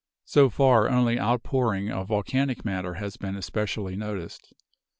So far only outpouring of volcanic matter has been especially noticed.